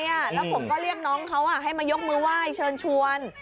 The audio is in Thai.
แล้วผมก็เรียกน้องเขาให้มายกมือไหว้เชิญชวน